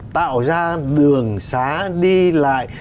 tạo ra đường xá đi lại